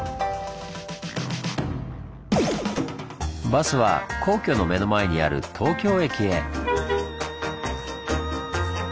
バスは皇居の目の前にある東京駅へ！